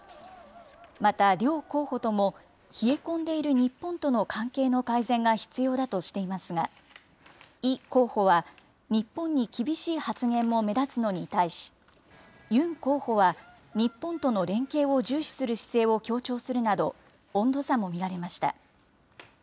また両候補とも、冷え込んでいる日本との関係の改善が必要だとしていますが、イ候補は、日本に厳しい発言も目立つのに対し、ユン候補は、日本との連携を重視する姿勢を強調するなど、温度差も見られました。